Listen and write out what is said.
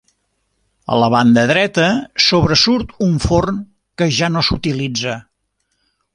A la banda dreta sobresurt un forn que ja no s'utilitza.